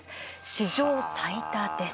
史上最多です。